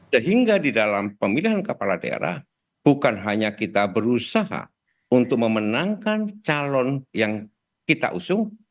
sehingga di dalam pemilihan kepala daerah bukan hanya kita berusaha untuk memenangkan calon yang kita usung